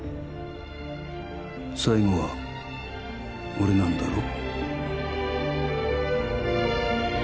最後は俺なんだろ